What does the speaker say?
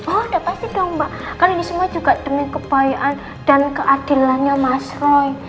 oh udah pasti dong mbak kan ini semua juga demi kebayaan dan keadilannya mas roy